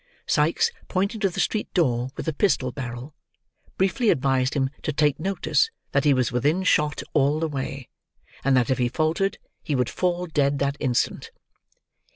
Sikes, pointing to the street door with the pistol barrel, briefly advised him to take notice that he was within shot all the way; and that if he faltered, he would fall dead that instant.